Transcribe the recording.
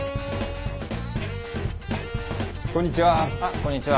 こんにちは。